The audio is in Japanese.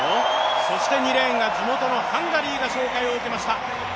そして２レーンが地元のハンガリーが紹介を受けました。